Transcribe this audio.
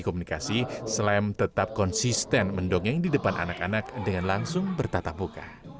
komunikasi slem tetap konsisten mendongeng di depan anak anak dengan langsung bertatap muka